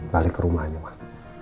balik ke rumahnya mah